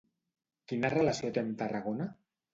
Quina relació té amb Tarragona?